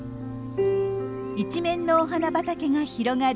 一面のお花畑が広がる